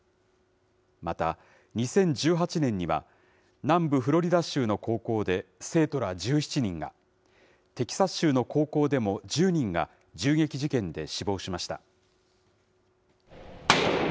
また、２０１８年には、南部フロリダ州の高校で生徒ら１７人が、テキサス州の高校でも１０人が銃撃事件で死亡しました。